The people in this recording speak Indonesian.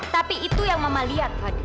tapi itu yang mama lihat